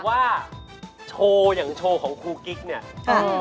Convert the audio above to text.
ว่าโชว์อย่างโชว์ของครูกิ๊กเนี่ย